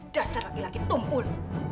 dasar laki laki tumpul